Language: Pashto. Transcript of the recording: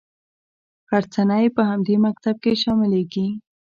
غرڅنۍ په همدې مکتب کې شاملیږي.